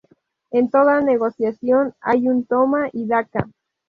En toda negociación hay un toma y daca